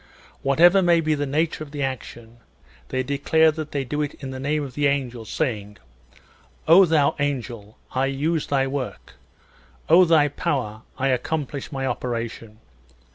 Whatever may be the nature ^ of the action, they declare that they do it in the name of the angel, saying, "O thou angel, I use thy work; O thou power, I accomplish thy operation!"